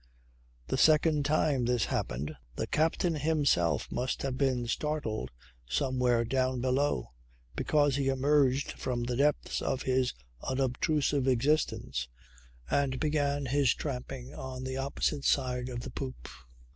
The second time this happened the captain himself must have been startled somewhere down below; because he emerged from the depths of his unobtrusive existence and began his tramping on the opposite side of the poop.